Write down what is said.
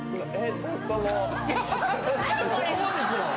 そこまでいくの？